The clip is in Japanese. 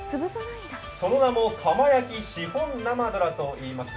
その名も、窯焼きシフォン生どらといいます。